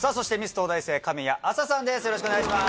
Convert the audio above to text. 東大生神谷明采さんです。